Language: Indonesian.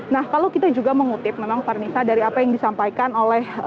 nah kalau kita juga mengutip memang farnisa dari apa yang disampaikan oleh